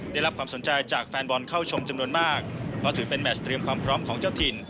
ได้รับความสนใจจากแฟนบอลเข้าชมจำนวนมากเพราะถือเป็นแมชเตรียมความพร้อมของเจ้าถิ่น